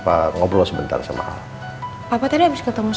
nanti aku akan berbicara sama nino